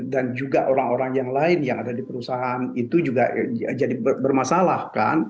dan juga orang orang yang lain yang ada di perusahaan itu juga jadi bermasalah